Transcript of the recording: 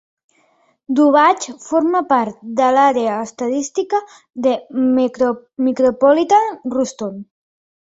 Dubach forma part de l'àrea estadística de Micropolitan Ruston.